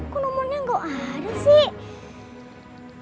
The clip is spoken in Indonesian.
kok nomornya gak ada sih